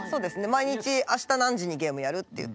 毎日「明日何時にゲームやる？」って言って。